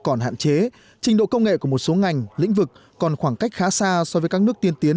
còn hạn chế trình độ công nghệ của một số ngành lĩnh vực còn khoảng cách khá xa so với các nước tiên tiến